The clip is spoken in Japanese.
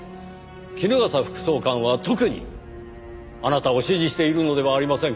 衣笠副総監は特にあなたを支持しているのではありませんか？